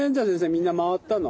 みんな回ったの？